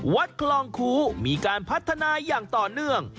วัดคลองคูมีการพัฒนาอย่างต่อเนื่อง